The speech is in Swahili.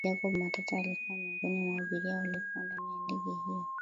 Jacob Matata alikua miongoni mwa abiria waliokua ndani ya ndege hiyo